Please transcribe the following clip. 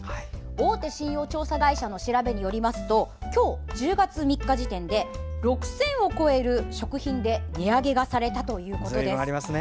大手信用調査会社の調べによると今日１０月３日時点で６０００を超える食品で値上げがされたということです。